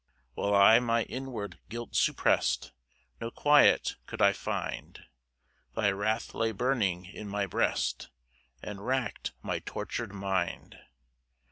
4 While I my inward guilt supprest, No quiet could I find; Thy wrath lay burning in my breast, And rack'd my tortur'd mind.